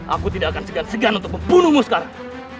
aku tidak akan segan segan untuk membunuhmu sekarang